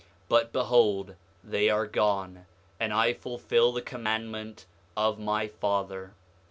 But behold, they are gone, and I fulfil the commandment of my father.